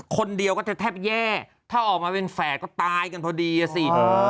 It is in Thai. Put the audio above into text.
คนเดียวก็จะแทบแย่ถ้าออกมาเป็นแฝดก็ตายกันพอดีอ่ะสิ